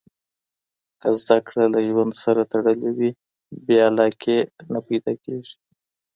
که زده کړه له ژوند سره تړلې وي، بې علاقګي نه پیدا کېږي.